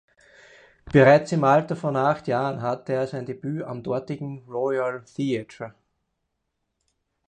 Bereits im Alter von acht Jahren hatte er sein Debüt am dortigen „Royal Theatre“.